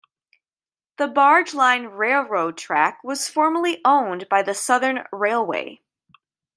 The Barge Line Railroad track was formerly owned by the Southern Railway.